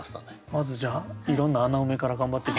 まずじゃあいろんな穴埋めから頑張って。